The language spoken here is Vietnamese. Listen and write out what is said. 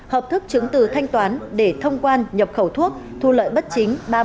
hợp thức chứng từ thanh toán để thông quan nhập khẩu thuốc thu lợi bất chính ba mươi một năm tỷ đồng